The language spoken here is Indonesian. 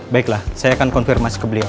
baiklah saya akan konfirmasi ke beliau